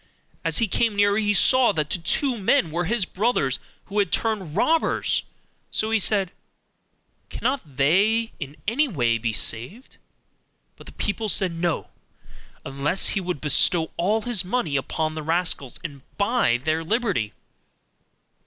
As he came nearer, he saw that the two men were his brothers, who had turned robbers; so he said, 'Cannot they in any way be saved?' But the people said 'No,' unless he would bestow all his money upon the rascals and buy their liberty.